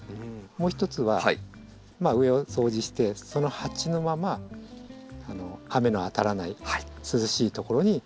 もう一つは上を掃除してその鉢のまま雨の当たらない涼しい所に置いといてください。